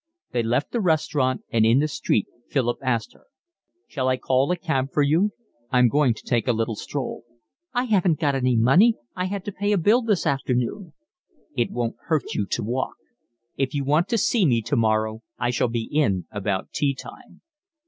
They left the restaurant, and in the street Philip asked her: "Shall I call a cab for you? I'm going to take a little stroll." "I haven't got any money. I had to pay a bill this afternoon." "It won't hurt you to walk. If you want to see me tomorrow I shall be in about tea time."